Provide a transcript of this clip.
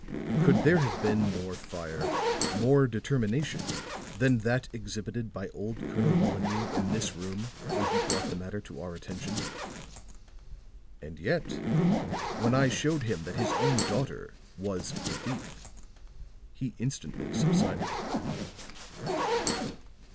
Could there have been more fire, more determination than that exhibited by old Colonel Molineux in this room when he brought the matter to our attention? And yet, when I showed him that his own daughter was the thief, he instantly subsided."